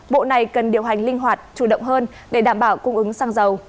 bộ này cần điều hành linh hoạt chủ động hơn để đảm bảo cung ứng xăng dầu